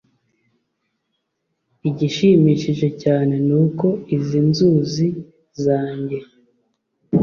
igishimishije cyane ni uko izi nzuzi zanjye